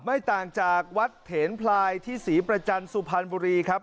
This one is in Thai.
ไม่ต่างจากวัดเถนพลายที่ศรีประจันทร์สุพรรณบุรีครับ